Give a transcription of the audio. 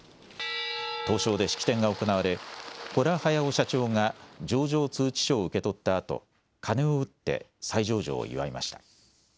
東証で式典が行われ洞駿社長が上場通知書を受け取ったあと鐘を打って再上場を祝いました。